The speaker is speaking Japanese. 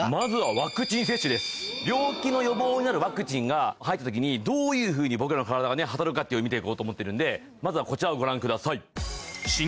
病気の予防になるワクチンが入った時にどういうふうに僕らの体がね働くかっていうのを見て行こうと思ってるんでまずはこちらをご覧ください。